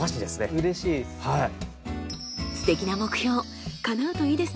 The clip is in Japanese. うれしいです。